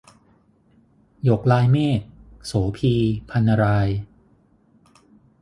หยกลายเมฆ - โสภี พรรณราย